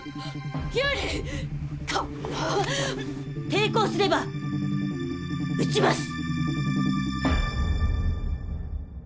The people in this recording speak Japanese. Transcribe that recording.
抵抗すればうちます！